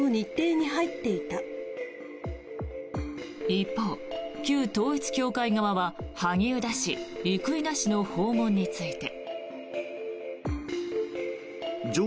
一方、旧統一教会側は萩生田氏、生稲氏の訪問について。